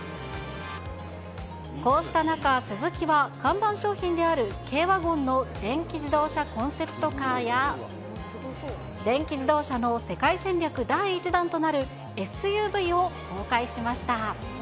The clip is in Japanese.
こうした中、スズキは看板商品である軽ワゴンの電気自動車コンセプトカーや、電気自動車の世界戦略第１弾となるＳＵＶを公開しました。